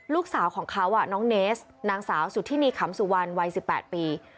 ลูกสาวของเขาน้องเนสนางสาวสุธินีขำสุวรรณวัย๑๘ปี